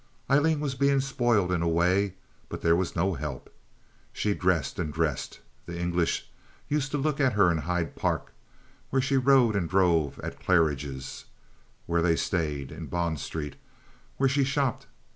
Aileen was being spoiled in a way, but there was no help. She dressed and dressed. The Englishmen used to look at her in Hyde Park, where she rode and drove; at Claridges' where they stayed; in Bond Street, where she shopped.